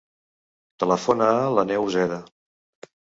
Telefona a l'Aneu Uceda.